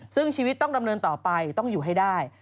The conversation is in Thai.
ซึ่งชีวิตต้องดำเนินต่อไปต้องอยู่ให้ได้